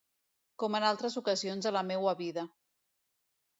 Com en altres ocasions de la meua vida.